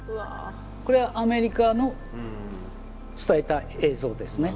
これはアメリカの伝えた映像ですね。